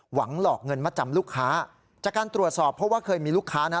หลอกเงินมาจำลูกค้าจากการตรวจสอบเพราะว่าเคยมีลูกค้านะ